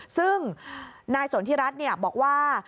ซึ่งนายสนธิรัตน์เนี่ยบอกว่า